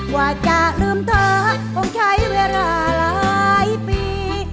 ว่าจะลืมเธอคงใช้เวลาหลายปี